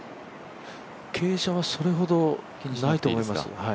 傾斜はそれほどないと思います。